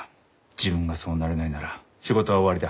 自分がそうなれないなら仕事は終わりだ。